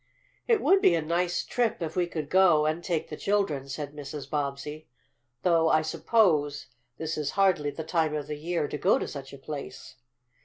"It would be a nice trip if we could go, and take the children," said Mrs. Bobbsey. "Though, I suppose, this is hardly the time of year to go to such a place."